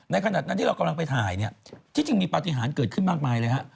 ในขณะที่เรากำลังไปถ่ายที่จริงมีปฏิหารเกิดขึ้นมากมายเลย